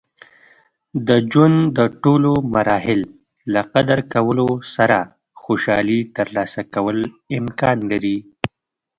د ژوند د ټول مراحل له قدر کولو سره خوشحالي ترلاسه کول امکان لري.